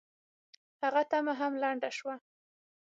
هغه تمه هم لنډه شوه.